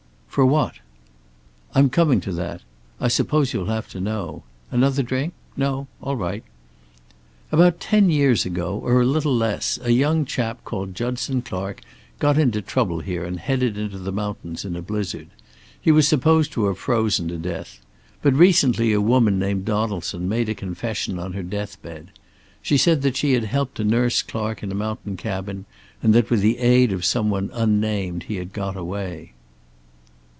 "For what?" "I'm coming to that. I suppose you'll have to know. Another drink? No? All right. About ten years ago, or a little less, a young chap called Judson Clark got into trouble here, and headed into the mountains in a blizzard. He was supposed to have frozen to death. But recently a woman named Donaldson made a confession on her deathbed. She said that she had helped to nurse Clark in a mountain cabin, and that with the aid of some one unnamed he had got away."